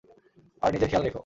আর নিজের খেয়াল রেখো।